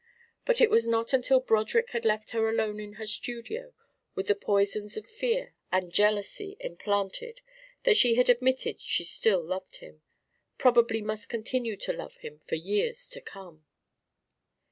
But it was not until Broderick had left her alone in her studio with the poisons of fear and jealousy implanted that she had admitted she still loved him, probably must continue to love him for years to come.